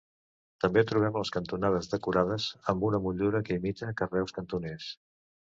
També trobem les cantonades decorades amb una motllura que imita carreus cantoners.